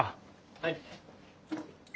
はい。